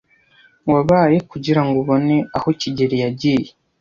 Wabaye kugirango ubone aho kigeli yagiye?